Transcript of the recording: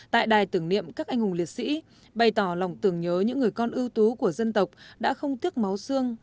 tại đài tưởng niệm các anh hùng liệt sĩ bày tỏ lòng tưởng nhớ những người con ưu tú của dân tộc đã không tiếc máu xương